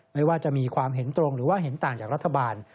ไม่ว่าจะมีความเห็นตรงหรือว่าเห็นต่างจากรัฐบาล